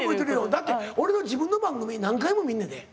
だって俺の自分の番組何回も見んねんで。え！